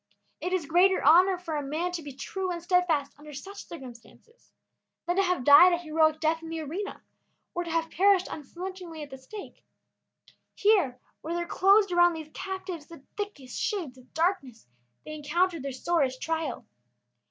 It is greater honor for a man to be true and steadfast under such circumstances than to have died a heroic death in the arena or to have perished unflinchingly at the stake. Here, where there closed around these captives the thickest shades of darkness, they encountered their sorest trial.